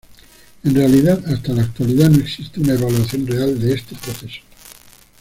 En realidad hasta la actualidad, no existe una evaluación real de este proceso.